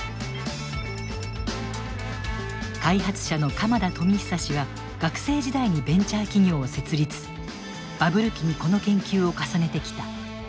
開発者の鎌田富久氏は学生時代にベンチャー企業を設立バブル期にこの研究を重ねてきた。